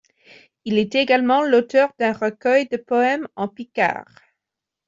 Il est également l'auteur d'un recueil de poèmes en picard.